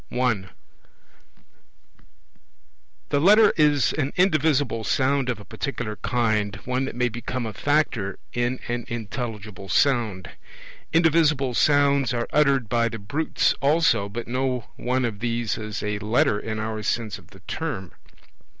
(1) The Letter is an indivisible sound of a particular kind, one that may become a factor in an intelligible sound. Indivisible sounds are uttered by the brutes also, but no one of these is a Letter in our sense of the term.